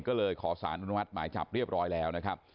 ก็เลยขอสารอนุมัติหมายจับเรียบร้อยแล้วนะครับ